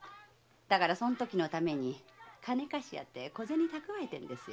だからそのときのために金貸しをやって小銭を蓄えてるんです。